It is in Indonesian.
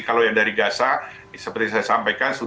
kalau yang dari gaza seperti saya sampaikan